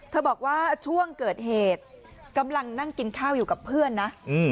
บอกว่าช่วงเกิดเหตุกำลังนั่งกินข้าวอยู่กับเพื่อนนะ